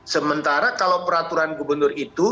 sementara kalau peraturan gubernur itu